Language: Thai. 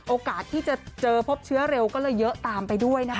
โอกาสที่จะเจอพบเชื้อเร็วก็เลยเยอะตามไปด้วยนะคะ